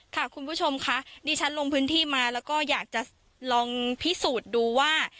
คุณผู้ชมค่ะดิฉันลงพื้นที่มาแล้วก็อยากจะลองพิสูจน์ดูว่า